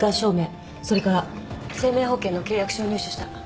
それから生命保険の契約書を入手した。